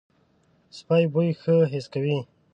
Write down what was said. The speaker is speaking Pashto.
سپي بوی ښه حس کوي.